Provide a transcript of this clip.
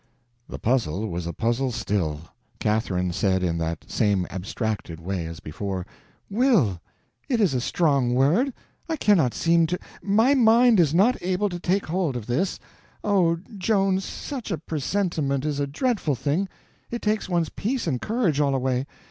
The puzzle was a puzzle still. Catherine said in that same abstracted way as before: "Will. It is a strong word. I cannot seem to—my mind is not able to take hold of this. Oh, Joan, such a presentiment is a dreadful thing—it takes one's peace and courage all away.